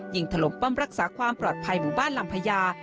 ถล่มป้อมรักษาความปลอดภัยหมู่บ้านลำพญา